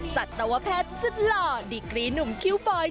สัตวแพทย์สุดหล่อดีกรีหนุ่มคิวฟอย